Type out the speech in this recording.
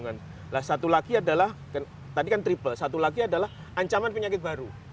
nah satu lagi adalah tadi kan triple satu lagi adalah ancaman penyakit baru